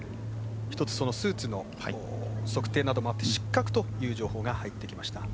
一つ、スーツの測定などもあって失格という情報が入ってきました。